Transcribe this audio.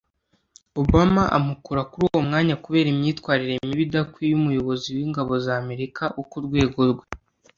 Obama amukura kuri uwo mwanya kubera imyitwarire mibi idakwiye umuyobozi w’ingabo za Amerika wo ku rwego rwe